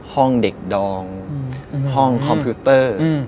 ห้องเด็กดองห้องคอมพิวเตอร์